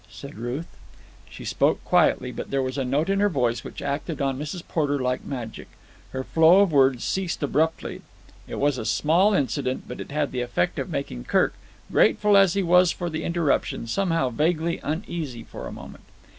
said Ruth. She spoke quietly, but there was a note in her voice which acted on Mrs. Porter like magic. Her flow of words ceased abruptly. It was a small incident, but it had the effect of making Kirk, grateful as he was for the interruption, somehow vaguely uneasy for a moment.